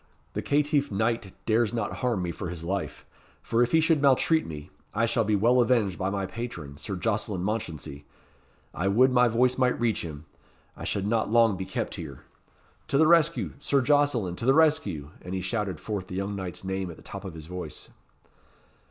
The caitiff knight dares not harm me for his life; and if he should maltreat me, I shall be well avenged by my patron, Sir Jocelyn Mounchensey. I would my voice might reach him I should not long be kept here. To the rescue! Sir Jocelyn! to the rescue!" And he shouted forth the young knight's name at the top of his voice.